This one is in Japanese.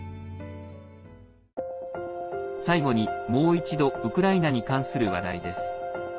最後に、もう一度ウクライナに関する話題です。